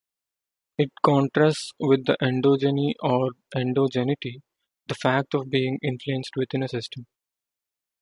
It contrasts with endogeny or endogeneity, the fact of being influenced within a system.